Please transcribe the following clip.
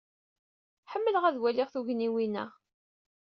Ḥemmleɣ ad waliɣ tugniwin-a.